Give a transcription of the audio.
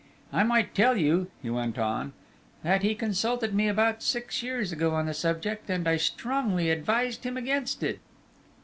I might tell you," he went on, "that he consulted me about six years ago on the subject, and I strongly advised him against it.